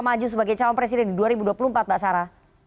maju sebagai calon presiden di dua ribu dua puluh empat mbak sarah